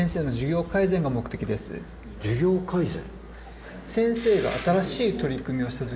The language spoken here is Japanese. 授業改善？